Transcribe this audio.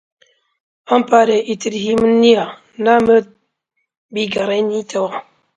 ئەم پارەیە ئیتر هی من نییە. نامەوێت بیگەڕێنیتەوە.